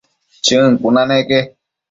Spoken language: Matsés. Chën cuna neque